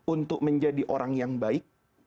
untuk menjadi orang yang baik